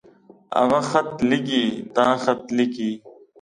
هغۀ خط ليکي. دا خط ليکي.